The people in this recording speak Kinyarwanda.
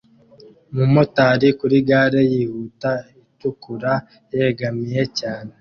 Umumotari kuri gare yihuta itukura yegamiye cyane